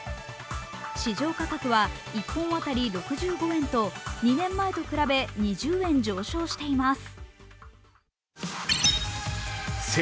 市場価格は１本当たり６５円と２年前と比べ２０円上昇しています。